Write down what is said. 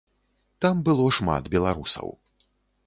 Там было шмат беларусаў.